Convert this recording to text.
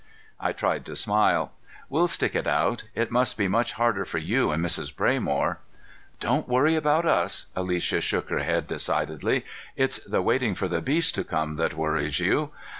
I tried to smile. "We'll stick it out. It must be much harder for you and Mrs. Braymore." "Don't worry about us." Alicia shook her head decidedly. "It's the waiting for the beast to come that worries you.